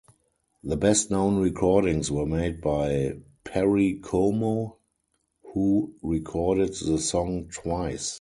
The best-known recordings were made by Perry Como, who recorded the song twice.